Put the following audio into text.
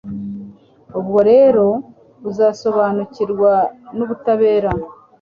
ubwo rero, uzasobanukirwa n'ubutabera